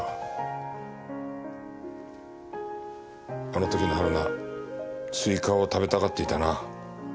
あの時の春菜スイカを食べたがっていたな。